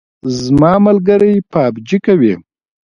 زما ملګری پابجي کوي